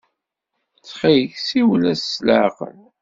Ttxil-k, ssiwel s leɛqel.